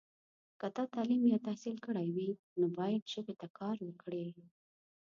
که تا تعلیم یا تحصیل کړی وي، نو باید ژبې ته کار وکړې.